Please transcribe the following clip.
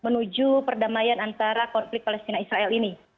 menuju perdamaian antara konflik palestina israel ini